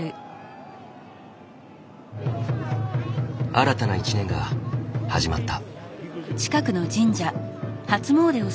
新たな一年が始まった。